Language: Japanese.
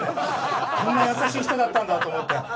こんな優しい人だったんだって思って。